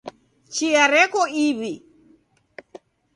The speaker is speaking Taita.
Chia reko iw'i.